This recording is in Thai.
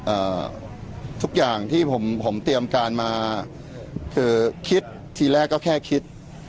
อ่าทุกอย่างที่ผมผมเตรียมการมาคือคิดทีแรกก็แค่คิด